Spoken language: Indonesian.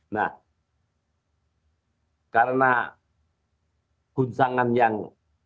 nah karena guncangan yang